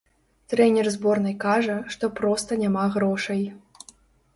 Трэнер зборнай кажа, што проста няма грошай.